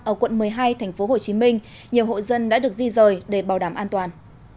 ở quận một mươi hai tp hcm nhiều hộ dân đã được di rời để bảo đảm an toàn